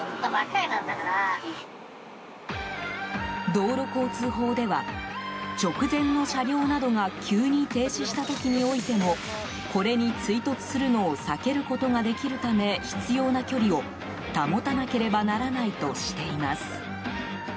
道路交通法では直前の車両などが急に停止した時においてもこれに追突するのを避けることができるため必要な距離を、保たなければならないとしています。